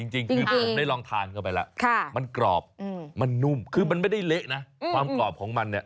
จริงกว่ากรอบนอกเนื้อมันแท่งแท่งอ่ะมันไม่เละ